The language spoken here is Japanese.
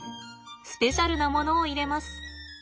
スペシャルなものを入れます。